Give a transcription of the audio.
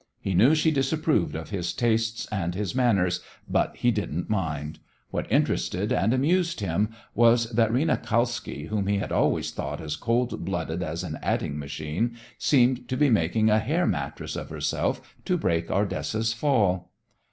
He knew she disapproved of his tastes and his manners, but he didn't mind. What interested and amused him was that Rena Kalski, whom he had always thought as cold blooded as an adding machine, seemed to be making a hair mattress of herself to break Ardessa's fall.